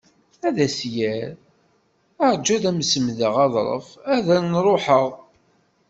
Ad as-d-yerr: Arju ad semdeɣ aḍref-a ad n-ruḥeɣ.